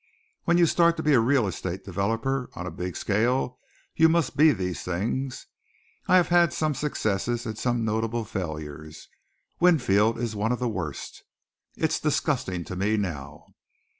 When you start to be a real estate developer on a big scale you must be these things. I have had some successes and some notable failures. Winfield is one of the worst. It's disgusting to me now."